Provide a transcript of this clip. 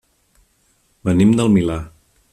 Venim del Milà.